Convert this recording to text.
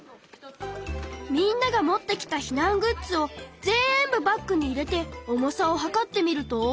みんなが持ってきた避難グッズをぜんぶバッグに入れて重さを量ってみると。